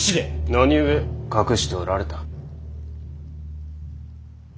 何故隠しておられた。